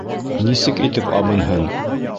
Нисек итеп абынһын?